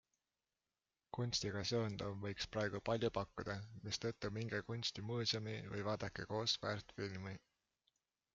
Kunstiga seonduv võiks praegu palju pakkuda, mistõttu minge kunstimuuseumi või vaadake koos väärtfilmi.